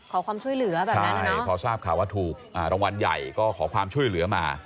ขอความช่วยเหลือแบบนั้นใช่พอทราบข่าวว่าถูกรางวัลใหญ่ก็ขอความช่วยเหลือมา